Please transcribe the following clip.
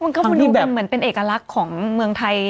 ดูเป็นเหมือนเป็นเอกลักษณ์ของเมืองไทย